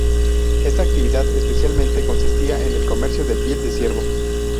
Esta actividad especialmente consistía en el comercio de piel de ciervo.